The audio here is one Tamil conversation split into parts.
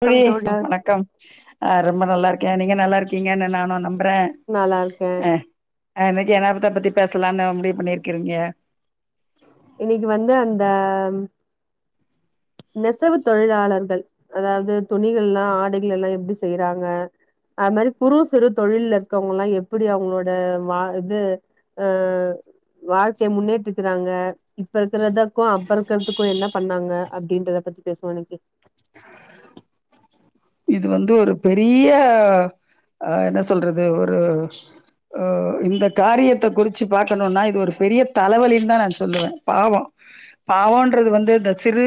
தோழி வணக்கம் தோழர் வணக்கம் ஆ ரொம்ப நல்லா இருக்கே நீங்க நல்லா இருக்கீங்கன்னு நானு நம்புறே நல்லாருக்கே ஆ இன்னைக்கு என்னாத்த பத்தி பேசலானு முடிவு பண்ணிருக்கிறீங்க இது வந்து அந்த ம் நெசவு தொழிலாளர்கள் அதாவ்து துணிகள்லா ஆடைகள் எல்லா எப்டி செய்றாங்க அது மாரி குறு சிறு தொழில்ல இருக்கவ்ங்கல்லா எப்புடி அவ்ங்களோட வா இது ஆ வாழ்க்கைய முன்னேற்றிக்கிறாங்க இப்ப இருக்கிறதக்கு அப்ப இருக்கிறதுக்கு என்ன பண்ணாங்க அப்டின்றத பத்தி பேசுவோ இன்னைக்கி இது வந்து ஒரு பெரிய ஆ என்ன சொல்றது ஒரு அ இந்த காரியத்த குறிச்சு பாக்கணுனா இது ஒரு பெரிய தலவலின் தா நா சொல்லுவே பாவ பாவன்றது வந்து இந்தச் சிறு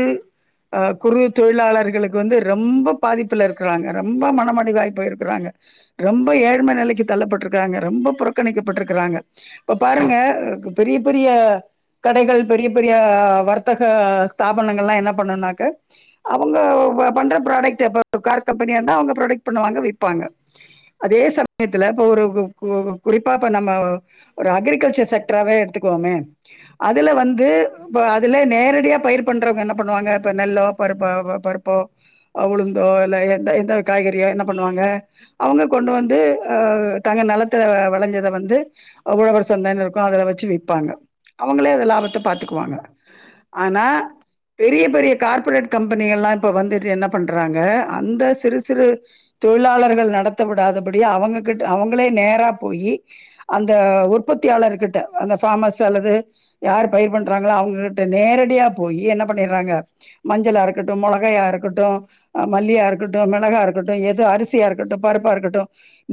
அ குறு தொழிலாளர்களுக்கு வந்து ரெம்ப பாதிப் புல இருக்கிறாங்க ரெம்ப மனமடிவாய்ப்போயிருக்கிறாங்க ரெம்ப ஏழ்ம நிலைக்கு தள்ளப்பட்ருக்காங்க ரெம்ப புறக்கணிக்கப்பட்ருக்கிறாங்க இப்ப பாருங்க எனக்கு பெரிய பெரிய கடைகள் பெரிய பெரிய வர்த்தக ஸ்தாபனங்கள்லா என்ன பண்ணுனாக்க அவுங்க ப பண்ற ப்ராடெக்ட் இப்ப கார் கம்பெனியா இருந்தா அவ்ங்க ப்ரொடெக்ட் பண்ணுவாங்க விப்பாங்க அதே சமயத்துல இப்ப ஒரு கு கு குறிப்பா இப்ப நம்ம ஒரு அக்ரிகல்ச்சர் செக்ட்ராவே எடுத்துக்குவோமே அதுல வந்து இப்ப அதுலே நேரடியா பயிர் பண்றவங்க என்ன பண்ணுவாங்க இப்ப நெல்லோ பருப்பா ப பருப்போ அ உளுந்தோ இல்ல எந்த எந்த காய்கறியோ என்ன பண்ணுவாங்க அவ்ங்க கொண்டு வந்து அ தங்க நெலத்துல வெளஞ்சத வந்து அவ்வூருள ஓரு சந்தனு இருக்கு அதுல வெச்சு விப்பாங்க அவுங்களே அந்த லாபத்த பாத்துக்குவாங்க ஆனா பெரிய பெரிய கார்ப்பரேட் கம்பெனி எல்லாம் இப்ப வந்துட்டு என்ன பண்ற றாங்க அந்த சிறு சிறு தொழிலாளர்கள் நடத்த விடாதபடி அவங்ககிட்ட அவுங்களே நேரா போயி அந்த உற்பத்தியாளர் கிட்ட அந்த ஃபார்மர்ஸ் அல்லது யாரு பயிர் பண்றாங்களோ அவ்ங்ககிட்ட நேரடியா போயி என்ன பண்ணிர்றாங்க மஞ்சளா இருக்கட்டு மொளகையா இருக்கட்டு அ மல்லியா இருக்கட்டு மிளகா இருக்கட்டு ஏது அரிசியா இருக்கட்டு பருப்பா இருக்கட்டு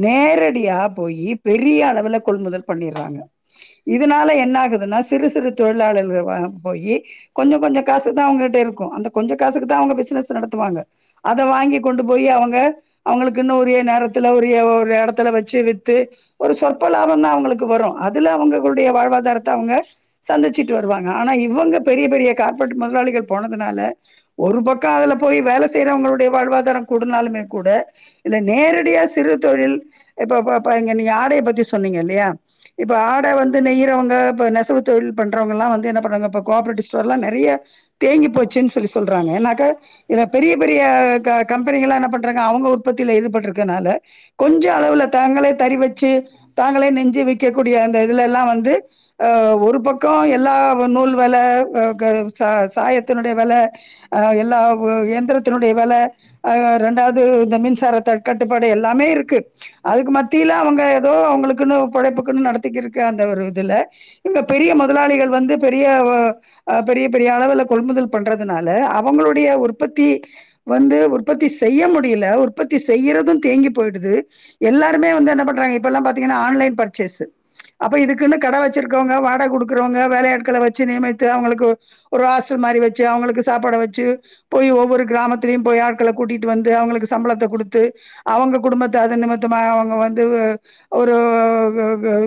நேரடியா போயி பெரிய அளவுல கொள்முதல் பண்ணிறாங்க இதுனால என்ன ஆகுதுன்னா சிறு சிறு தொழிலாளர்கள் வ போயி கொஞ்ச கொஞ்ச காசு தா அவுங்கிட்ட இருக்கு அந்த கொஞ்ச காசுக்கு தா அவுங்க பிசினஸ் நடத்துவாங்க அத வாங்கிக் கொண்டு போய் அவுங்க அவுங்களுக்குன்னு உரிய நேரத்துல உரிய ஒரு எடத்துல வச்சு வித்து ஒரு சொற்ப லாபந்தா அவுங்களுக்கு வரு அதுல அவுங்களுடைய வாழ்வாதாரத்த அவுங்க சந்திச்சிட்டு வருவாங்க ஆனா இவுங்க பெரிய பெரிய கார்ப்பரேட் முதலாளிகள் போனதுனால ஒரு பக்கம் அதுல போய் வேல செய்றவுங்களுடைய வாழ்வாதாரோ கூடுனாலுமே கூட இல்ல நேரடியா சிறு தொழில் இப்பபப நீங்க ஆடையப் பத்தி சொன்னீங்க இல்லையா இப்ப ஆட வந்து நெய்றவங்க இப்ப நெசவு தொழில் பண்றவங்கலா வந்து என்ன பண்ணறாங்க இப்ப கோஆப்ரேட்டிவ் ஸ்டோர்லா நெறைய தேங்கி போச்சுன்னு சொல்லி சொல்றாங்க ஏனாக்க இத பெரிய பெரிய க கம்பெனிகளா என்ன பண்றாங்க அவுங்க உற்பத்தியில இதுப்பட்டிருக்கனால கொஞ்ச அளவுல தாங்களே தறி வச்சு தாங்களே நெஞ்சு விக்கக்கூடிய அந்த இதுலல்லா வந்து அ ஒரு பக்கோ எல்லா நூல் வெல அ க ச சாயத்தினுடைய வெல அ எல்லா வ ஏ த்திரத்தினுடைய வெல அ ரெண்டாவது இந்த மின்சார தட் கட்டுப்பாடு எல்லாமே இருக்கு அதுக்கு மத்தியில்ல அவுங்க ஏதோ அவுங்களுக்குன்னு பொழைப்புக்குன்னு நடத்திக்கிருக்க அந்த ஒரு இதுல இங்க பெரிய மொதலாளிகள் வந்து பெரிய வ அ பெரிய பெரிய அளவுல கொள்முதல் பண்றதுனால அவுங்களுடைய உற்பத்தி வந்து உற்பத்தி செய்ய முடியல உற்பத்தி செய்யிறது தேங்கி போயிடுது எல்லாருமே வந்து என்ன பண்றாங்க இப்பல்லா பாத்தீங்கன்னா ஆன்லைன் பர்ச்சேஸ்ஸு அப்ப இதுக்குன்னு கட வச்சிருக்கவங்க வாடக குடுக்குறவங்க வேலையாட்கள வச்சு நியமித்து அவுங்களுக்கு ஒரு ஹாஸ்டல் மாரி வச்சு அவுங்களுக்கு சாப்பாட வச்சு போய் ஒவ்வொரு கிராமத்தலயு போய் ஆட்கள கூட்டிட்டு வந்து அவுங்களுக்கு சம்பளத்த குடுத்து அவுங்க குடும்பத்த அத நிமித்தமா அவுங்க வந்து வு ஒரு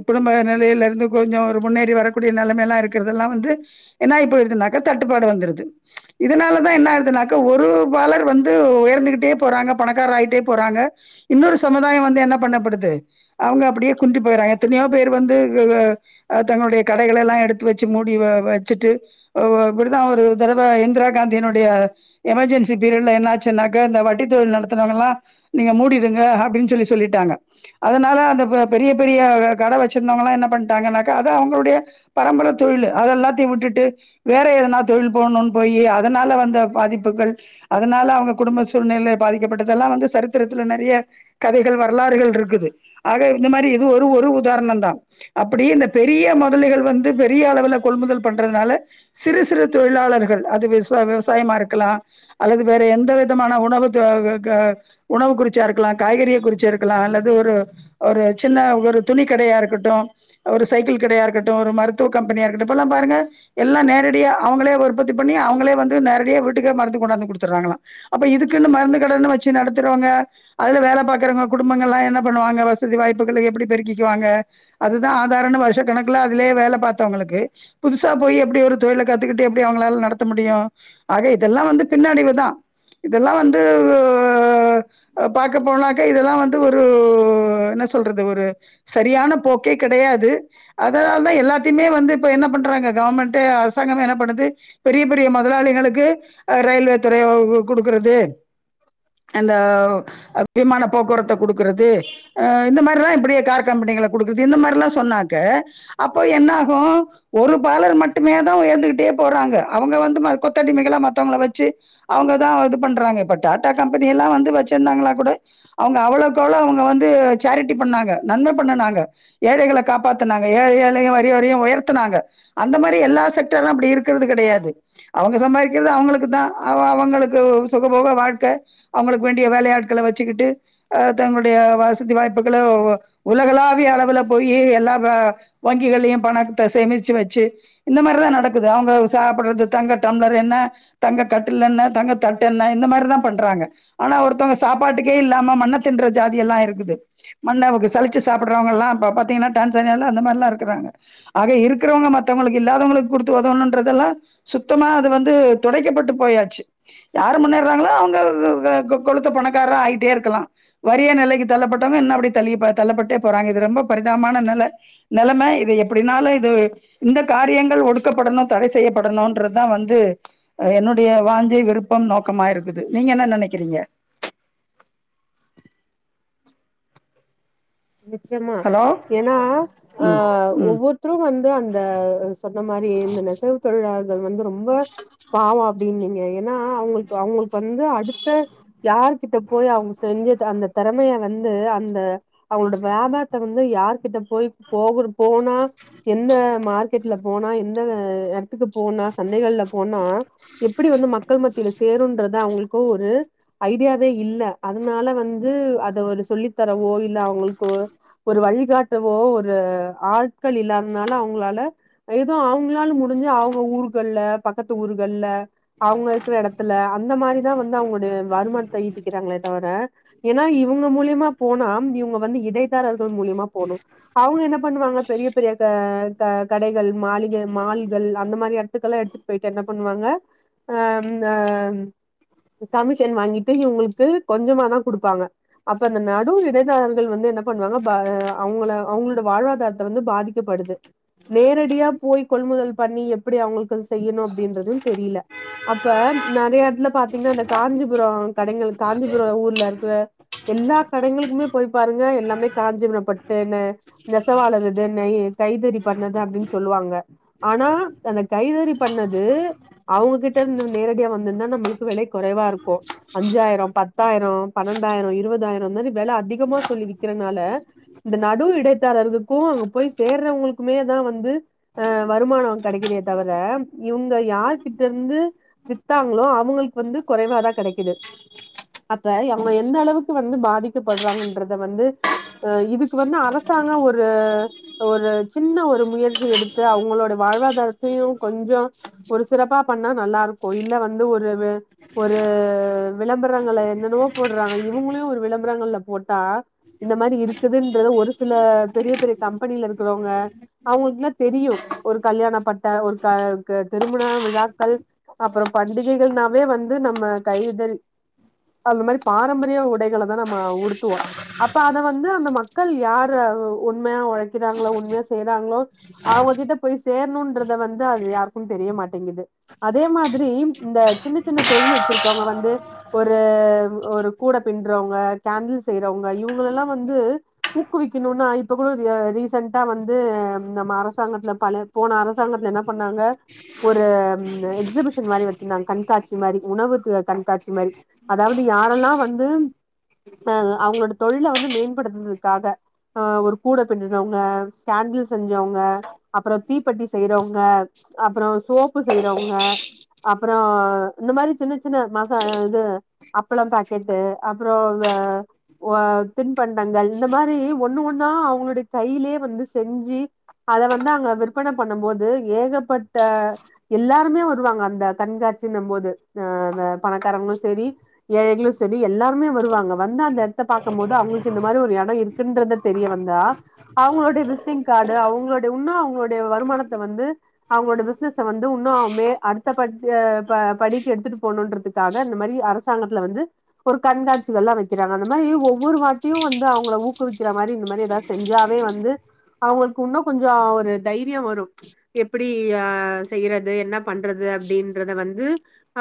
குடும்ப நெலையில இருந்து கொஞ்சோ ஒரு முன்னேறி வரக்கூடிய நெலமயெல்லா இருக்குறதெல்லா வந்து ஏனா இப்ப இது நக தட்டுப்பாடு வந்துருது இதுனால தா என்னாயிடுதுனாக்கா ஒ ஒரு பலர் வந்து உயர்ந்துகிட்டே போறாங்க பணக்கார் ஆயிட்டே போறாங்க இன்னொரு சமுதாயம் வந்து என்ன பண்ணப்படுது அவுங்க அப்டியே குந்திப் போயிறாங்க எத்தனையோ பேர் வந்து வ அ தங்களுடைய கடைகள எல்லா எடுத்து வச்சு மூடி வ வச்சுட்டு வ இப்டிதா ஒரு தடவ இந்திரா காந்தியினுடைய எமர்ஜென்சி பீரியட்ல என்னச்சுன்னாக்கா இந்த வட்டி தொழில் நடத்துனவங்கலா நீங்க மூடிடுங்க அப்டின் சொல்லி சொல்லிட்டாங்க அதனால அந்த ப பெரிய பெரிய கட வச்சிருந்தவங்கல்லா என்ன பண்ணிட்டாங்கன்னாக்கா அத அவுங்களுடைய பரம்பர தொழிலு அது எல்லாத்தையு விட்டுட்டு வேற எதனா தொழில் போனோன்னு போயி அதனால வந்த பாதிப் பபுக்கள் அதனால அவுங்க குடும்ப சூழ்நிலை பாதிக்கப்பட்டதெல்லா வந்து சரித்திரத்துல்ல நெறைய கதைகள் வரலாறுகள் இருக்குது ஆக இந்த மாரி இது ஒரு ஒரு உதாரணந்தா அப்டி இந்த பெரிய முதலைகள் வந்து பெரிய அளவுல கொள்முதல் பண்றதுனால சிறு சிறு தொழிலாளர்கள் அது விவச விவசாயமா இருக்கலா அல்லது வேற எந்த விதமான உணவு த க உணவு குறிச்சா இருக்கலா காய்கறிய குறிச்சி இருக்கலா அல்லது ஒரு ஒரு சின்ன ஒரு துணி கடையா இருக்கட்டோ ஒரு சைக்கிள் கடையா இருக்கட்டு ஒரு மருத்துவ கம்பெனியா இருக்கட்டு இப்பெல்லா பாருங்க எல்லா நேரடியா அவங்களே உற்பத்தி பண்ணி அவங்களே வந்து நேரடியா வீட்டுக்கே மருந்து கொண்டாந்து குடுத்துட்றாங்களா அப்ப இதுக்குன்னு மருந்து கடன்னு வச்சு நடத்துறவங்க அதுல வேலப் பாக்குறவங்க குடும்பங்கள்ல்லா என்ன பண்ணுவாங்க வசதி வாய்ப்புகள எப்புடி பெருக்கிக்கிவாங்க அதுதா ஆதாரன்னு வருஷ கணக்குல அதுலயே வேலப் பாத்தவங்களுக்கு புதுசா போய் எப்புடி ஒரு தொழில கத்துக்கிட்டு எப்புடி அவங்களால நடத்த முடியோ ஆக இதெல்லா வந்து பின்னடைவு தா இதெல்லா வந்து அ அ பாக்க போனாக்கா இதெல்லா வந்து ஒரு என்ன சொல்றது ஒரு சரியான போக்கே கிடையாது அதனால தான் எல்லாத்தையுமே வந்து இப்ப என்ன பண்றாங்க கவர்மெண்ட்டே அரசாங்கம் என்ன பண்ணுது பெரிய பெரிய முதலாளிகளுக்கு அ ரயில்வே துறைய அ உ குடுக்குறது அந்த உ அ விமான போக்குவரத்த குடுக்குறது அ இந்த மாரி லா இப்புடியே கார் கம்பெனிகள குடுக்குது இந்த மாரில்லா சொன்னாக்க அப்போ என்ன ஆகும் ஒரு பாலர் மட்டுமே தான் உயர்ந்துகிட்டே போறாங்க அவங்க வந்து ம கொத்தடிமைகளா மத் த்தவங்கள வச்சு அவங்கதா இது பண்றாங்க இப்ப டாடா கம்பெனி எல்லா வந்து வச்சிருந்தாங்களா கூட அவங்க அவ்வளவுக்கு அவ்வளவு அவங்க வந்து சேரிட்டி பண்ணாங்க நன்ம பண்ணனாங்க ஏழைகள காப்பாத்துனாங்க ஏழை ஏழையும் வரி வரியும் உயர்த்துனாங்க அந்த மாரி எல்லா செக்டார்லா அப்புடி இருக்குறது கிடையாது அவங்க சம்பாரிக் கிற்து அவங்களுக்கு தா அவ அவங்களுக்கு சுகபோக வாழ்க்க அவங்களுக்கு வேண்டிய வேலையாட்கள வச்சுக்கிட்டு அ தங்களுடைய வசதி வாய்ப்புகள உலகளாவிய அளவுல போயி எல்லா ப வங்கிகள்லையும் பணத்த சேமிச்சு வச்சு இந்த மாரிதான் நடக்குது அவங்க சாப்புட்றது தங்க டம்ளர் என்ன தங்க கட்டில் என்ன தங்க தட்டென்ன இந்த மாரிதான் பண்றாங்க ஆனா ஒருத்தவங்க சாப்பாட்டுக்கே இல்லாம மண்ண தின்ற ஜாதி எல்லா இருக்குது மண்ண அவக சழிச்சி சாப்புட்றவங்கல்லாம் அப்ப பாத்தீங்கன்னா டான்சன்யால அந்த மாரி ல்லா இருக்குறாங்க ஆக இருக்குறவங்க மத்தவங்களுக்கு இல்லாதவங்களுக்கு குடுத்து உதவுன்றதெல்லாம் சுத்தமா அது வந்து துடைக்கப்பட்டு போயாச்சு யாரு முன்னேறாங்களோ அவங்க [unintelligible] கொளுத்த பண்க்காறா ஆயிட்டே இருக்காலா வரிய நிலைக்கு தள்ளப்பட்டவங்க இன்ன அப்புடி தள்ளி ப தள்ளப்பட்டே போறாங்க இது ரொம்ப பரிதாபமான நில நெலம இது எப்புடினாலும் இது இந்த காரியங்கள் ஒடுக்கப்படணும் தடை செய்யப்படணும்ன்றதுதா வந்து அ என்னுடைய வாஞ்சை விருப்பம் நோக்கமா இருக்குது நீங்க என்ன நினைக்கிறீங்க நிச்சயமா ஹலோ ஏன்னா அ ம் ம் ஒவ்வொருத்தரும் வந்து அந்த அ சொன்ன மாரி இந்த நெசவு தொழிலாள்கள் வந்து ரொம்ப பாவோ அப்டின்னிங்க ஏன்னா அவங்களுக்கு அவங்களுக் வந்து அடுத்த யார்கிட்ட போய் அவங்க செஞ்ச த அந்த திறமைய வந்து அந்த அவங்களோட வியாபாரத்த வந்து யார்கிட்ட போயி போகுரு போனா என்ன மார்க்கெட்ல போனா எந்த எட்த்துக்கு போனா சந்தைகள்ல போனா எப்புடி வந்து மக்கள் மத்தியில சேருன்றத அவங்களுக்கும் ஒரு ஐடியாவே இல்ல அதனால வந்து அத ஒரு சொல்லி தரவோ இ இல்ல அவங்களுக்கு ஒரு வழிகாட்டவோ ஒரு ஆட்கள் இல்லாத்னால அவங்களால அ ஏதோ அவங்களால முடிஞ்சு அவங்க ஊர்கள்ல பக்கத்து ஊர்கள்ல அவங்க இருக்குற எடத்துல அந்த மாரிதான் வந்து அவங்களோடைய வருமானத்த ஈட்டிக்கிறாங்களே தவர ஏனா இவுங்க மூலியமா போனா இவுங்க வந்து இடைதாரர்கள் மூலியமா போணு அவுங்க என்ன பண்ணுவாங்க பெரிய பெரிய க க கடைகள் மாளிகை மால்கள் அந்த மாரி எடத்துக்கெல்லா எடுத்துட் போயிட்டு என்ன பண்ணுவாங்க அ அ கமிஷன் வாங்கிட்டு இவுங்களுக்கு கொஞ்சமா தா குடுப்பாங்க அப்ப அந்த நடு இடைதாரர்கள் வந்து என்ன பண்வாங்க ப அவுங்கள அவுங்ளோட வாழ்வாதாரத்த வந்து பாதிக்கப்படுது நேரடியா போய் கொள்முதல் பண்ணி எப்டி அவுங்களுக் அது செய்யனு அப்டின்றது. தெரியில அப்ப நெறைய எடத்துல பாத்தீங்னா அந்த காஞ்சிபுரோ கடைகள் தாண்டிபுரோ ஊர்ல இருக்கற எல்லா கடைகளுக்குமே போய் பாருங்க எல்லாமே காஞ்சீபுரபட்டுனு நெசவாளறது நெ தைத்தறி பண்ணது அப்டின் சொல்லுவாங்க ஆனா அந்த கைதறி பண்ணது அவுங்ககிட்ட இருந்து நேரடியா வந்திருந்தா நம்மளுக்கு வெலை கொறைவா இருக்கு அஞ்சாயிரோ பத்தாயிரோ பன்னண்டாயிரோ இருவதாயிரோ இதுமாரி வெல அதிகமா சொல்லி விக்கறனால இந்த நடு இடை தரகர்க்கு அங்க போய் சேர்றவங்களுக்குமே தா வந்து அ வருமானோ கெடைக்கிதே தவர இவுங்க யார் கிட்ட இருந்து வித்தாங்ளோ அவுங்களுக்கு வந்து கொறைவாதா கெடைக்குது அப்ப அவுங்க எந்த அளவுக்கு வந்து பாதிக்கப்பட்றாங்கன்றத வந்து அ இதுக்கு வந்து அரசாங்கோ ஒரு ஒரு சின்ன ஒரு முயற்சி எடுத்து அவுங்களோட வாழ்வாதாரத்தையு கொஞ்சோ ஒரு சிறப்பா பண்ணா நல்லா இருக்கு இல்ல வந்து ஒரு வெ ஒரு விளம்பரங்கள என்னென்னவோ போட்றாங்க இவுங்களையு ஒரு விளம்பரங்கள்ல போட் டா இந்த மாரி இருக்குதுன்றத ஒரு சில பெரிய பெரிய கம்பெனில இருக்குறவங்க அவுங்களுக்குல்லா தெரியு ஒரு கல்யாணப்பட்ட ஒரு க க திருமண விழாக்கள் அப்புறோ பண்டிகைகள்னாவே வந்து நம்ம கைதறி அந்த மாரி பாரம்பரிய உடைகள தா நம்ம உடுத்துவோ அப்ப அத வந்து அந்த மக்கள் யார உண்மையா ஒழைக்றாங்ளோ உண்மையா செய்றாங்ளோ அவுங்ககிட்ட போய் சேரனுன்றத வந்து அது யாருக்கு தெரிய மாட்டேங்கிது அதே மாதிரி இந்த சின்ன சின்ன தொழில் வச்சிருக்கவுங்க வந்து ஒரு ஒரு கூட பின்றவங்க கேண்டில் செய்றவங்க இவுங்களல்லா வந்து ஊக்குவிக்கனுனா இப்ப கூட அ ரீசென்டா வந்து நம்ம அரசாங்கத்ல பல போன அரசாங்கத்ல என்ன பண்ணாங்க ஒரு எக்ஸிபிஷன் மாரி வச்சிருந்தாங்க கண்காட்சி மாரி உணவு து கண்காட்சி மாரி அதாவது யாரெல்லா வந்து தாங்க அவுங்களோட தொழில வந்து மேம்படுத்துறதுக்காக ஆ ஒரு கூட பின்னுனவுங்க கேண்டில் செஞ்சவங்க அப்றோ தீப்பெட்டி செய்றவுங்க அப்றோ சோப்பு செய்றவுங்க அப்றோ இந்த மாரி சின்ன சின்ன மசா இது அப்ள பாக்கெட்டு அப்றோ இந்த ஓ ஆ தின்பண்டங்கள் இந்த மாரி ஒண்ணு ஒண்ணா அவுங்களுடைய கைய்லே வந்து செஞ்சி அத வந்து அங்க விற்பன பண்ணு போது ஏகப்பட்ட எல்லாருமே வருவாங்க அந்த கண்காட்சினு போது அ வெ பணக்காரங்களு சேரி ஏழைகளு செரி எல்லாருமே வருவாங்க வந்து அந்த எடத்த பாக்கு போது அவுங்களுக்கு இந்த மாரி ஒரு எடோ இருக்குன்றது தெரிய வந்தா அவுங்ளோடைய விசிட்டிங் காடு அவுங்ளோடோ உண்ணு அவுங்களுடைய வருமானத்த வந்து அவங்ளோட பிசினஸ்ஸ வந்து வுன்னும் மே அடுத்த படிக்கு ப படிகு எடுத்துட்டு போணும்ன்றதுக்காக இந்த மாரி அர சாங்கத்ல வந்து ஒரு கண்காட்சிகள்ல்லா வெக் க்கிறாங்க அந்த மாரி ஒவ்வரு வாட்டியு வந்து அவங்கள ஊக்குவிக்கிற மாரி இந்த மாரி ஏதாவது செஞ்சாவே வந்து அவங்களுக்கு இன்னு கொஞ்சொ ஒரு தைரியோ வரு எப்டி ஆ செய்றது என்ன பண்றது அப்டின்றத வந்து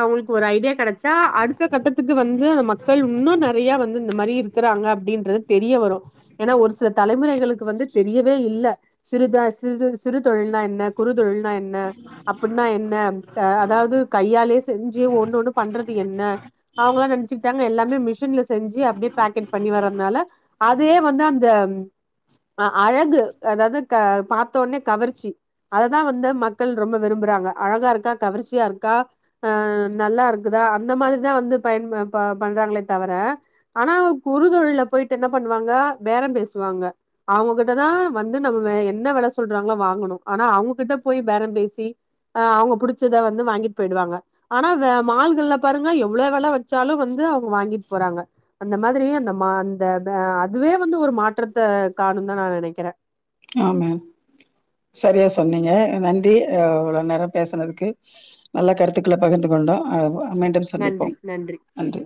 அவங்களுக்கு ஒரு ஐடியா கெடச்சா அடுத்த கட்டத்துக்கு வந்து மக் கள் இன்னு நெறைய வந்து இந்த மாரி இருக்குறாங்க அப்டின்றது தெரிய வரு ஏன்னா ஒரு சில தலைமுறைகளுக்கு வந்து தெரியவே இல்ல சிறுதா சிறு சிறு தொழில்னா என்ன குறு தொழில்னா என்ன அப்ட்ன்னா என்ன அதாவது கையாலே செஞ்சி ஒண்ணு ஒண்ணு பண்றது என்ன அவங்களா நெனச்சுக்கிட்டாங்க எல்லாமே மிஷின்ல செஞ்சி அப்டியே பேக்கெட் பண்ணி வர்துனால அதே வந்து அந்த அ அழகு அதாவது க பாத்த ஒடனே கவர்ச்சி அததா வந்து மக்கள் ரொம்ப விரும்புறாங்க அழகா இருக்கா கவர்ச்சியா இருக்கா அ நல்லா இருக்குதா அந்த மாரிதா வந்து பயன் ப பண்றங்கலே தவர ஆனா குரு தொழில்ல போயிட்டு என்ன பண்ணுவாங்க பேரம் பேசுவாங்க அவங்ககிட்டதா வந்து நம்ம என்ன வெல சொல்றாங்களோ வாங்கணு ஆனா அவங்ககிட்ட போய் பேரம் பேசி ஆ அவங்க புடிச்சத வந்து வாங்கிட்டு போயிடுவாங்க ஆனா அத மால்கள்ல பாருங்க எவ்வளவு வெல வச்சாலு வந்து அவங்க வாங்கிட்டு போறாங்க அந்த மாதிரி அந்த மா அந்த த அதுவே வந்து ஒரு மாற்றத்த காணும் தா நா நெனைக்கறே ஆமா சரியா சொன்னீங்க நன்றி அவ்ளோ நேரோ பேசுனதுக்கு நல்ல கருத்துக்கள பகிர்ந்து கொண்டோ அ மீண்டும் சந்திப்போம் நன்றி